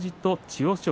千代翔